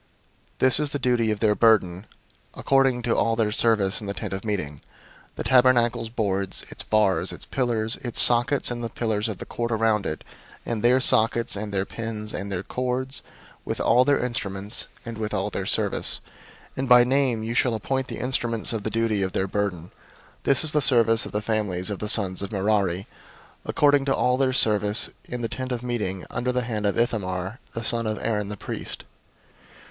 004:031 This is the charge of their burden, according to all their service in the Tent of Meeting: the tabernacle's boards, its bars, its pillars, its sockets, 004:032 and the pillars of the court around it, and their sockets, and their pins, and their cords, with all their instruments, and with all their service: and by name you shall appoint the instruments of the charge of their burden. 004:033 This is the service of the families of the sons of Merari, according to all their service, in the Tent of Meeting, under the hand of Ithamar the son of Aaron the priest."